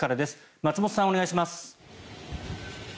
松本さん、お願いします。